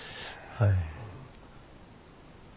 はい。